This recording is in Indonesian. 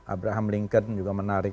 abraham lincoln juga menarik